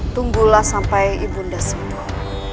tunggulah sampai nibunda sembuh